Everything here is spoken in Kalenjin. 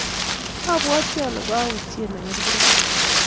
abwatii ale kayutien aker kurkee.